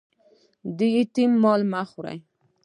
د یتیم مال مه خورئ